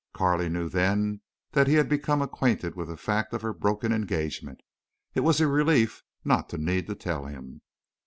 Carley knew then that he had become acquainted with the fact of her broken engagement. It was a relief not to need to tell him.